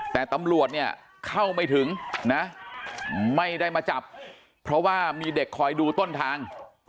แต่ตำรวจเนี่ยเข้าไม่ถึงนะไม่ได้มาจับเพราะว่ามีเด็กคอยดูต้นทาง